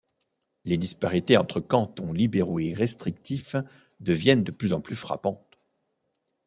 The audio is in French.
Les disparités entre cantons libéraux et restrictifs deviennent de plus en plus frappantes.